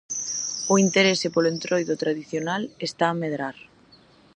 O interese polo Entroido tradicional está a medrar.